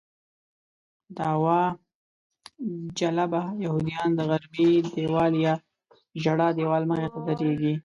دعوه جلبه یهودیان د غربي دیوال یا ژړا دیوال مخې ته درېږي.